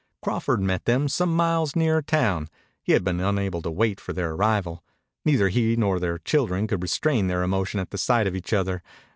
Crawford met them some miles nearer town. He had been unable to wait for their arrival. Neither he nor the children could restrain their emotion at sight of each other.